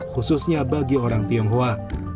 khususnya bagi orang tionghoa